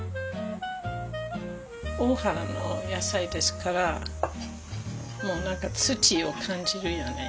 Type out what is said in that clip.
大原の野菜ですから土を感じるよね。